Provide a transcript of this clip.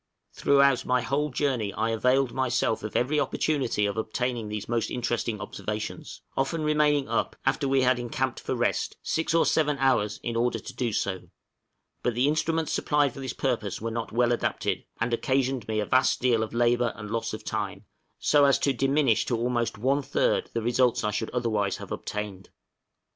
Throughout my whole journey I availed myself of every opportunity of obtaining these most interesting observations, often remaining up, after we had encamped for rest, six or seven hours in order to do so; but the instruments supplied for this purpose were not well adapted, and occasioned me a vast deal of labor and loss of time, so as to diminish to almost one third the results I should otherwise have obtained.